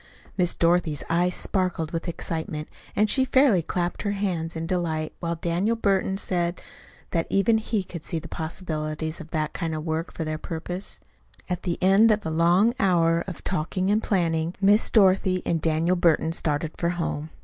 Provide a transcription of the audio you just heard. Miss Dorothy's eyes sparkled with excitement, and she fairly clapped her hands in her delight, while Daniel Burton said that even he could see the possibilities of that kind of work for their purpose. At the end of a long hour of talking and planning, Miss Dorothy and Daniel Burton started for home.